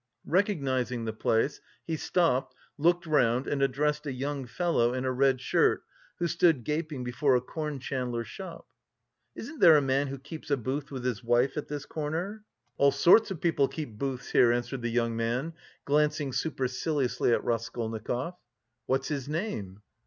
Recognising the place, he stopped, looked round and addressed a young fellow in a red shirt who stood gaping before a corn chandler's shop. "Isn't there a man who keeps a booth with his wife at this corner?" "All sorts of people keep booths here," answered the young man, glancing superciliously at Raskolnikov. "What's his name?"